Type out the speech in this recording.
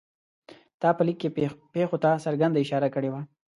تا په لیک کې پېښو ته څرګنده اشاره کړې وه.